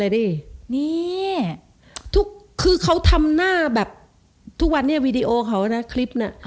นี่คือเขาทำหน้าแบบทุกวันนี้วีดีโอเขานะคลิปน่ะ